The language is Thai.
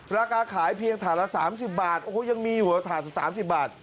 ราคาขายเพียงฐานละ๓๐บาทโอ้โหยังมีหัวถ่าน๓๐บาท